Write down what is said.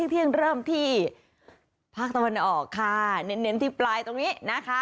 เที่ยงเริ่มที่ภาคตะวันออกค่ะเน้นที่ปลายตรงนี้นะคะ